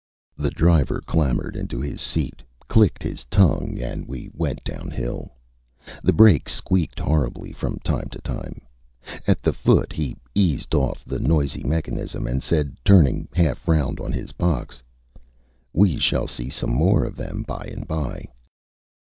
The driver clambered into his seat, clicked his tongue, and we went downhill. The brake squeaked horribly from time to time. At the foot he eased off the noisy mechanism and said, turning half round on his box ÂWe shall see some more of them by and by.